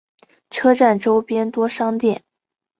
车站周边多商店。